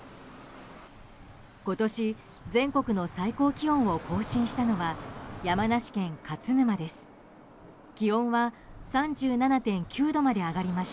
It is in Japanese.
今年、全国の最高気温を更新したのは山梨県勝沼です。